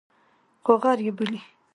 خو غر یې بولي.